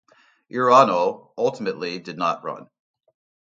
Iorio ultimately did not run.